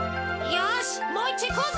よしもういっちょいこうぜ！